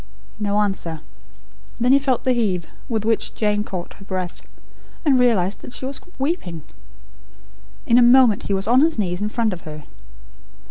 No answer. Then he felt the heave, with which Jane caught her breath; and realised that she was weeping. In a moment he was on his knees in front of her.